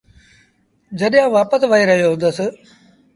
جڏهيݩ آئوٚݩ وآپس وهي رهيو هُندس۔